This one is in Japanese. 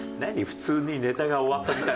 普通にネタが終わったみたいな。